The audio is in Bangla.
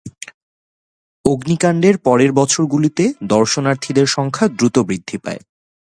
অগ্নিকান্ডের পরের বছরগুলিতে দর্শনার্থীদের সংখ্যা দ্রুত বৃদ্ধি পায়।